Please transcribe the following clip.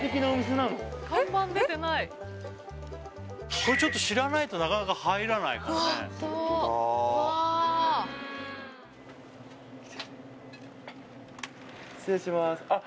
これちょっと知らないとなかなか入らないかもねホントだうわ失礼しますあっ